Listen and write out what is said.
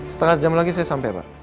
setengah jam lagi saya sampai pak